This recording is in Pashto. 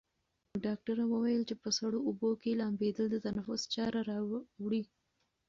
ډاکټره وویل چې په سړو اوبو کې لامبېدل د تنفس چاره راوړي.